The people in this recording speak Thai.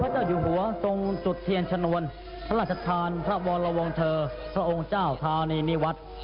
เจ้าอยู่หัวทรงจุดเทียนชนวนพระราชทานพระวรวงเทอร์พระองค์เจ้าธานีนิวัฒน์